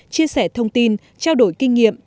chia sẻ thông tin trao đổi kinh nghiệm